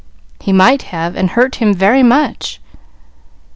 "He might have, and hurt him very much.